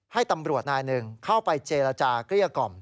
ให้ตำรวจนายหนึ่งเข้าไปเจรจาเกลี้ยกล่อม